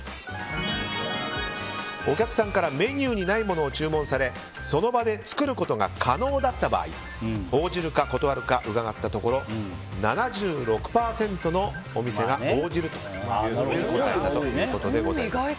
お客さんからメニューにないものを注文されその場で作ることが可能だった場合応じるか、断るか伺ったところ７６％のお店が応じるということです。